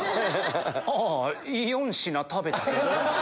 ああ４品食べたけど。